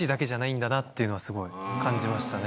っていうのはすごい感じましたね。